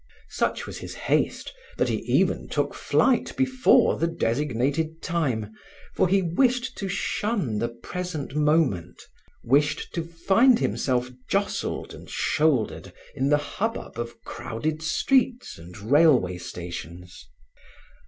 Such was his haste that he even took flight before the designated time, for he wished to shun the present moment, wished to find himself jostled and shouldered in the hubbub of crowded streets and railway stations.